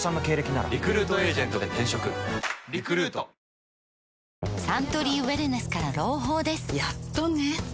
メロメロサントリーウエルネスから朗報ですやっとね